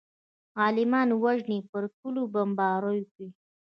عالمان وژني پر کليو بمبارۍ کوي.